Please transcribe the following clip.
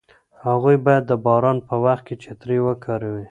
هغوی باید د باران په وخت کې چترۍ وکاروي.